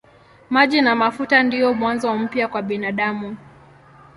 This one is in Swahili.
Maji na mafuta ndiyo mwanzo mpya kwa binadamu.